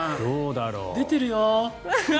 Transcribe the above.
出ているよ！